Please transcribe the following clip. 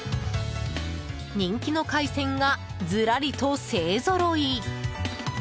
人気の海鮮がずらりと勢ぞろい。